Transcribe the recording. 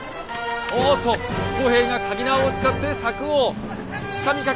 おおっと工兵がかぎ縄を使って柵をつかみかける。